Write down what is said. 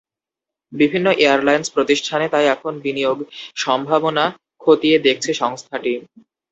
বিভিন্ন এয়ারলাইনস প্রতিষ্ঠানে তাই এখন বিনিয়োগ সম্ভাবনা খতিয়ে দেখছে সংস্থাটি।